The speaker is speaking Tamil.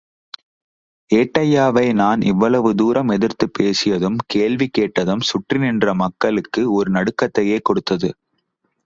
ஏட்டய்யாவை நான் இவ்வளவு தூரம் எதிர்த்துப் பேசியதும் கேள்வி கேட்டதும் சுற்றி நின்ற் மக்களுக்கு ஒரு நடுக்கத்தையே கொடுத்தது.